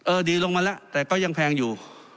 ดีลงมาแล้วแต่ก็ยังแพงอยู่